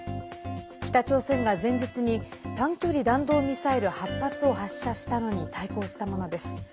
北朝鮮が前日に短距離弾道ミサイル８発を発射したのに対抗したものです。